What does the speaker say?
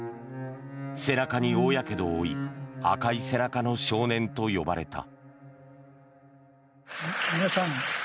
背中に大やけどを負い赤い背中の少年と呼ばれた。